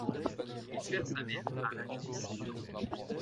Il perd sa mère à l'âge de six ans.